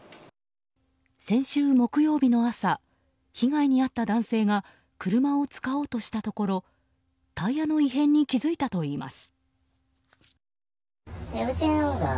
先週木曜日の朝被害に遭った男性が車を使おうとしたところタイヤの異変に気付いたといいます。